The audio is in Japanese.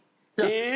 えっ！？